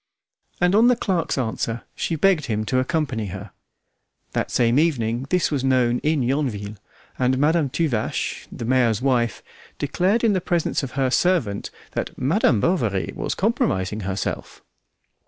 And on the clerk's answer, she begged him to accompany her. That same evening this was known in Yonville, and Madame Tuvache, the mayor's wife, declared in the presence of her servant that "Madame Bovary was compromising herself."